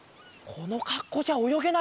このかっこうじゃおよげないや。